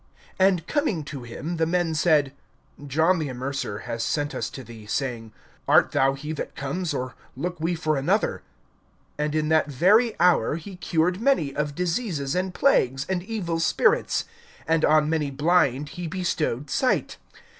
(20)And coming to him, the men said: John the Immerser has sent us to thee, saying: Art thou he that comes, or look we for another? (21)And in that very hour he cured many, of diseases and plagues, and evil spirits; and on many blind he bestowed sight.